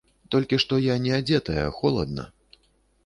Толькі што я неадзетая, холадна.